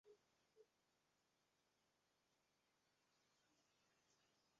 বিনোদিনী কহিল, তাহার নাম তুমি মুখে উচ্চারণ করিয়ো না।